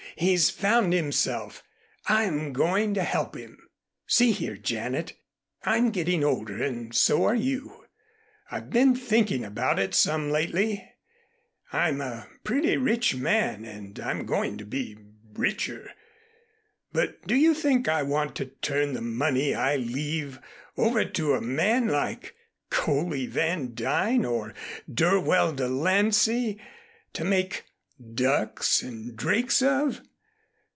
He's found himself. I'm going to help him. See here, Janet, I'm getting older, and so are you. I've been thinking about it some lately. I'm a pretty rich man and I'm going to be richer. But do you think I want to turn the money I leave over to a man like Coley Van Duyn or Dirwell De Lancey to make ducks and drakes of?